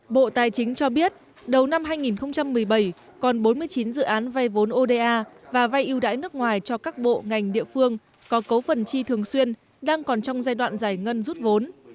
bộ tài chính cho biết đầu năm hai nghìn một mươi bảy còn bốn mươi chín dự án vay vốn oda và vay ưu đãi nước ngoài cho các bộ ngành địa phương có cấu phần chi thường xuyên đang còn trong giai đoạn giải ngân rút vốn